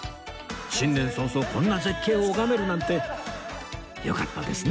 新年早々こんな絶景を拝めるなんてよかったですね